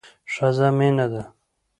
ښځه مينه ده